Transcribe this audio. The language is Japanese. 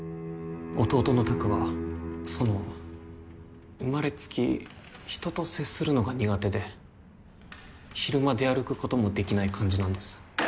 弟の拓はその生まれつき人と接するのが苦手で昼間出歩くこともできない感じなんです